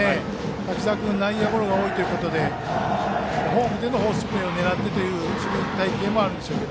滝沢君は内野ゴロが多いということでホームでのフォースプレーを狙うという守備隊形もあるでしょう。